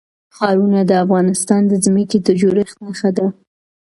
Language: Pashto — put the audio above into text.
ښارونه د افغانستان د ځمکې د جوړښت نښه ده.